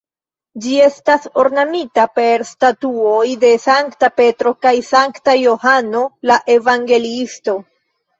Ĝi estas ornamita per statuoj de Sankta Petro kaj Sankta Johano la Evangeliisto.